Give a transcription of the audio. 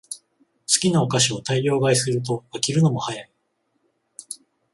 好きなお菓子を大量買いすると飽きるのも早い